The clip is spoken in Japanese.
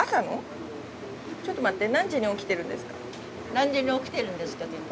「何時に起きてるんですか？」というと？